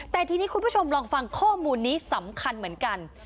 แต่ทีนี้คุณผู้ชมลองฟังข้อมูลนี้สำคัญเหมือนกัน